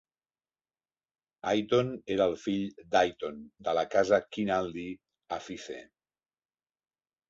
Ayton era el fill d'Ayton de la casa Kinaldie a Fife.